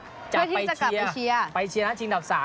เพื่อที่จะกลับไปเชียร์จะไปเชียร์ไปเชียร์หน้าชิงดับ๓